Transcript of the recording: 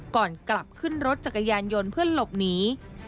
ก่อนกลับขึ้นรถจักรยานยนต์เพื่อหลบหนี